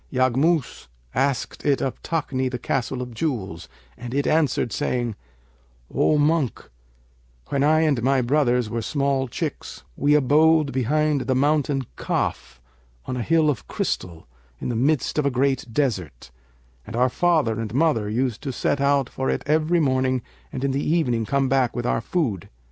Yaghmus asked it of Takni, the Castle of Jewels, and it answered, saying 'O Monk, when I and my brothers were small chicks we abode behind the Mountain Kaf on a hill of crystal, in the midst of a great desert; and our father and mother used to set out for it every morning and in the evening come back with our food.